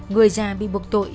người già bị buộc tội